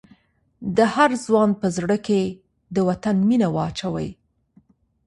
د هر ځوان په زړه کې د وطن مینه واچوئ.